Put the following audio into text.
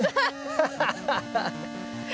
ハハハハ！